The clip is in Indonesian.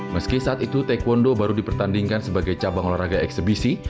meski saat itu taekwondo baru dipertandingkan sebagai cabang olahraga eksebisi